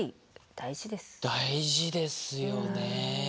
大事ですよね。